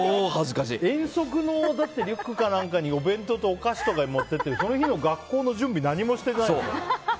遠足のリュックか何かにお弁当とお菓子とか持って行ってその日の学校の準備何もしていかないって。